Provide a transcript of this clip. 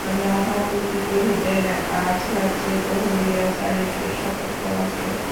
রমাপতি কহিলেন, আজ রাত্রে প্রহরীরা চারিদিকে সতর্ক আছে।